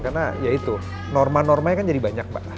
karena ya itu norma normanya kan jadi banyak mbak